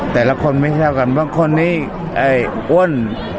แต่ละคนไม่เท่ากันบางคนนี้อ้วน